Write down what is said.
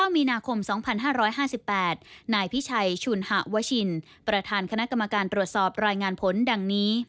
มีนาคม๒๕๕๘นายพิชัยชุนหะวชินประธานคณะกรรมการตรวจสอบรายงานผลดังนี้